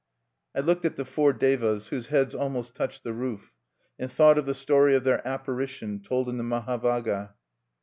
I looked at the four Devas whose heads almost touched the roof, and thought of the story of their apparition told in the Mahavagga.